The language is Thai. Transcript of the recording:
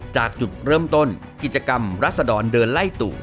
จากจุดเริ่มต้นกิจกรรมรัศดรเดินไล่ตุ